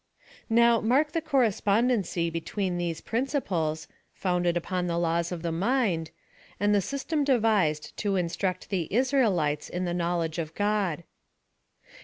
Now. mark the correspondency between these principles, founded upon the laws of the mind^ and that system devised to instruct the Israelites in the Knowledge of God.